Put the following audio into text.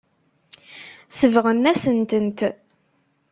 Sebɣen-asen-tent.